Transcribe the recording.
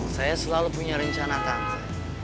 saya selalu punya rencana kampanye